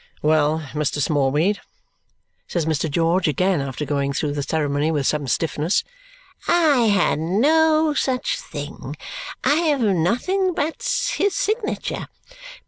"Well, Mr. Smallweed?" says Mr. George again after going through the ceremony with some stiffness. "I had no such thing. I have nothing but his signature.